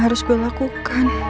kau semua keraguan di hatiku